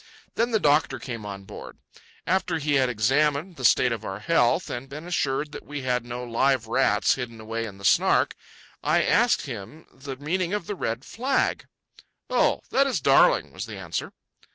Then the doctor came on board. After he had examined the state of our health and been assured that we had no live rats hidden away in the Snark, I asked him the meaning of the red flag. "Oh, that is Darling," was the answer.